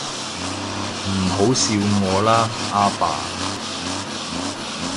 唔好笑我啦，阿爸